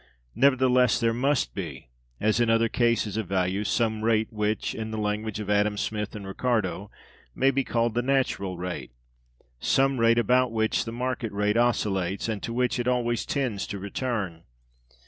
Nevertheless, there must be, as in other cases of value, some rate which (in the language of Adam Smith and Ricardo) may be called the natural rate; some rate about which the market rate oscillates, and to which it always tends to return.